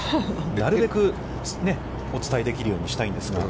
なるべくお伝えできるようにしたんですが。